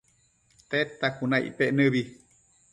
Tedta cuna icpec nëbi